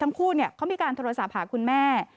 ทั้งคู่เขามีการโทรศัพท์หาคุณแม่